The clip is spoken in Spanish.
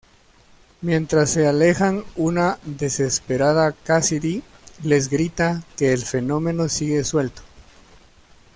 Mientras se alejan una desesperada Cassidy les grita que el fenómeno sigue suelto.